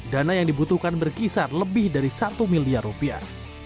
dana yang dibutuhkan berkisar lebih dari satu miliar rupiah